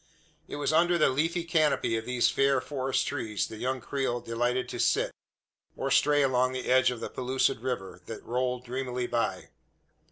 It was under the leafy canopy of these fair forest trees the young Creole delighted to sit or stray along the edge of the pellucid river, that rolled dreamily by.